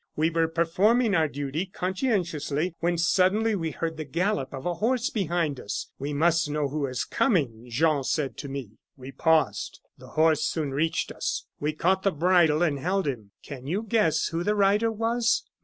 We were performing our duty conscientiously when suddenly we heard the gallop of a horse behind us. 'We must know who is coming,' Jean said to me. "We paused. The horse soon reached us; we caught the bridle and held him. Can you guess who the rider was?